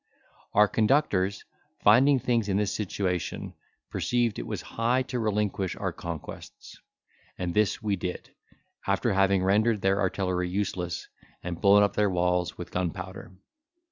Our conductors, finding things in this situation, perceived it was high to relinquish our conquests, and this we did, after having rendered their artillery useless, and blown up their walls with gunpowder.